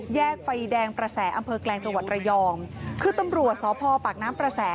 แยกไฟแดงประแสอำเภอแกลงจังหวัดระยองคือตำรวจสพปากน้ำประแส